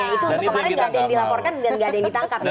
itu untuk kemarin gak ada yang dilaporkan dan nggak ada yang ditangkap ya